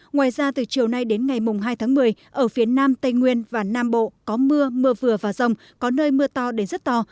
ngoài ra từ chiều nay đến ngày hai tháng một mươi ở phía nam tây nguyên và nam bộ có mưa mưa vừa và rồng có nơi mưa to đến rất to